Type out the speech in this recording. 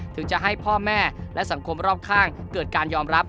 ถึงจะให้พ่อแม่และสังคมรอบข้างเกิดการยอมรับ